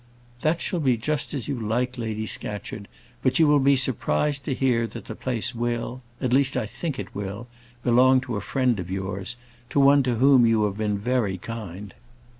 "That shall be just as you like, Lady Scatcherd; but you will be surprised to hear that the place will at least I think it will belong to a friend of yours: to one to whom you have been very kind."